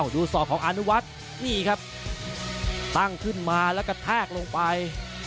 ศอกของอนุวัฒน์นี่ครับตั้งขึ้นมาแล้วก็แทกลงไป